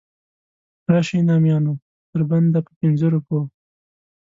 راشئ نامیانو تر بنده په پنځو روپو.